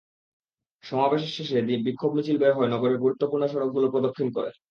সমাবেশ শেষে বিক্ষোভ মিছিল বের হয়ে নগরের গুরুত্বপূর্ণ সড়কগুলো প্রদক্ষিণ করে।